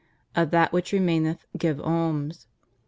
Of that which remaineth, give alms.